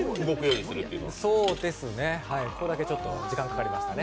そうですね、これだけちょっと時間かかりましたね。